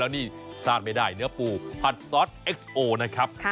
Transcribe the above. นี่พลาดไม่ได้เนื้อปูผัดซอสเอ็กซ์โอนะครับ